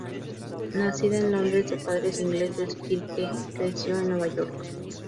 Nacida en Londres de padres ingleses, Kirke creció en Nueva York.